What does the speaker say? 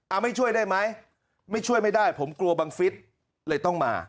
เอาไม่ช่วยได้ไหมไม่ช่วยไม่ได้ผมกลัวบังฟิศเลยต้องมา